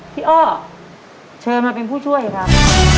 อ้อเชิญมาเป็นผู้ช่วยครับ